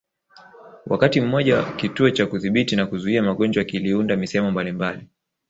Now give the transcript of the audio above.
Wakati mmoja Kituo cha Kudhibiti na Kuzuia Magonjwa kiliunda misemo mbalimbali